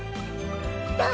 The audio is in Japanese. どう？